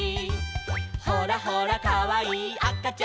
「ほらほらかわいいあかちゃんも」